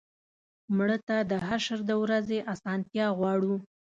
مړه ته د حشر د ورځې آسانتیا غواړو